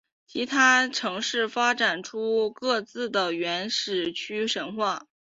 其他城市发展出各自的原始丘神话。